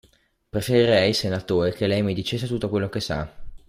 Preferirei, senatore, che lei mi dicesse tutto quello che sa.